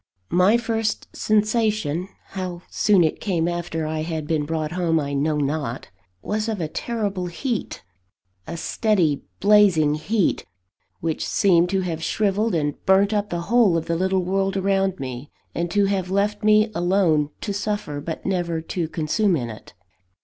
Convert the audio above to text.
My first sensation (how soon it came after I had been brought home, I know not) was of a terrible heat; a steady, blazing heat, which seemed to have shrivelled and burnt up the whole of the little world around me, and to have left me alone to suffer, but never to consume in it.